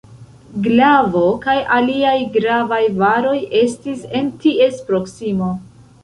Glavo kaj aliaj gravaj varoj estis en ties proksimo.